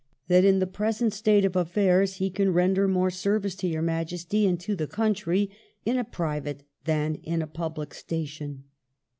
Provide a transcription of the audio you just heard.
. that in the present state of affairs he can render more service to your Majesty and to the country in a private than in a public station